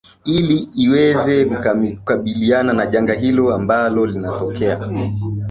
ili iweza kukambiliana na janga hilo ambalo linatokea